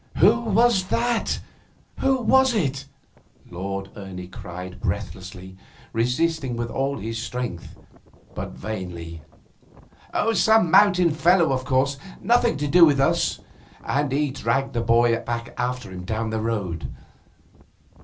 'Who was that? Who was it?' Lord Ernie cried breathlessly, resisting with all his strength, but vainly. 'Some mountain fellow, of course. Nothing to do with us.' And he dragged the boy after him down the road.